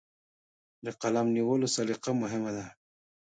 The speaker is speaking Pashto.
د قلم نیولو سلیقه مهمه ده.